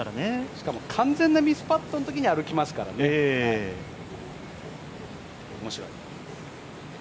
しかも完全なミスパットのときも歩きますからね、面白い。